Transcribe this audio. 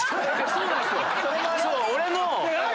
そうなんすよ。